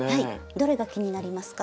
どれが気になりますか？